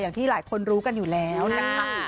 อย่างที่หลายคนรู้กันอยู่แล้วนะคะ